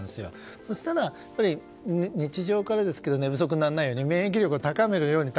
そうしたら、日常からですけど寝不足にならないようにして免疫力を高めるように。